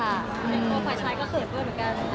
อือไฟชายก็เผ็นด้วยเหรอเหรอเขิน